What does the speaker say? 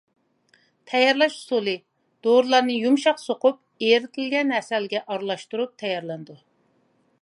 تەييارلاش ئۇسۇلى: دورىلارنى يۇمشاق سوقۇپ، ئېرىتىلگەن ھەسەلگە ئارىلاشتۇرۇپ تەييارلىنىدۇ.